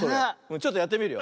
ちょっとやってみるよ。